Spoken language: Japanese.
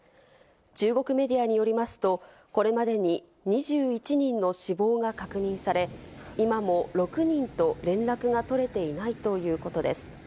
中国メディアによりますと、これまでに２１人の死亡が確認され、今も６人と連絡が取れていないということです。